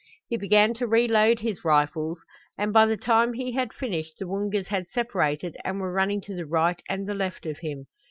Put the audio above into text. He began to reload his rifles and by the time he had finished the Woongas had separated and were running to the right and the left of him.